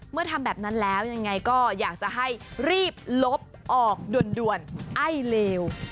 ทำแบบนั้นแล้วยังไงก็อยากจะให้รีบลบออกด่วนไอ้เลว